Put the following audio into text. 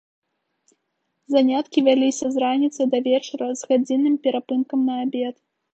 Заняткі вяліся з раніцы да вечара з гадзінным перапынкам на абед.